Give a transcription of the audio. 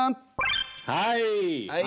はい。